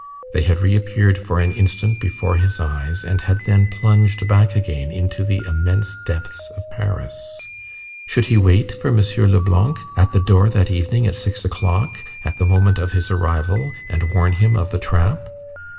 They had reappeared for an instant before his eyes, and had then plunged back again into the immense depths of Paris. Should he wait for M. Leblanc at the door that evening at six o'clock, at the moment of his arrival, and warn him of the trap?